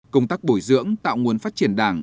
công tác bồi dưỡng tạo nguồn phát triển đảng